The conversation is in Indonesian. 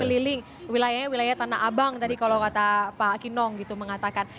keliling wilayahnya wilayah tanah abang tadi kalau kata pak kinong gitu mengatakan